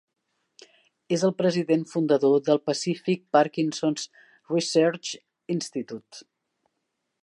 És el president fundador del Pacific Parkinson's Research Institute.